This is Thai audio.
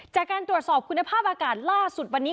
จากการตรวจสอบคุณภาพอากาศล่าสุดวันนี้